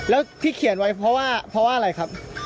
แล้วที่เขียนไว้เพราะว่าอะไรครับ